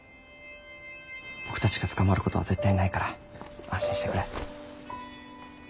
僕たちが捕まることは絶対ないから安心してくれ。